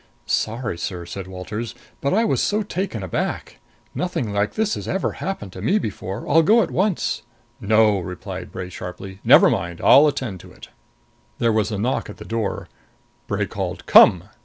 "Sorry, sir," said Walters; "but I was so taken aback! Nothing like this has ever happened to me before. I'll go at once " "No," replied Bray sharply. "Never mind. I'll attend to it " There was a knock at the door. Bray called "Come!"